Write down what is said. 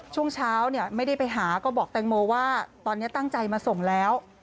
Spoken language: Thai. ช่วงเช้าไม่ได้ไปหาก็บอกแตงโมว่าตอนนี้ตั้งใจมาส่งแล้ว